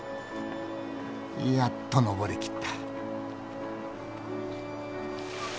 やっと上りきった。